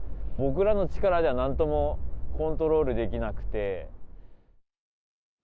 僕らの力では、なんともコントロールできなくて。